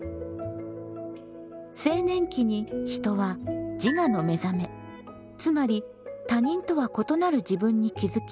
青年期に人は自我のめざめつまり他人とは異なる自分に気付き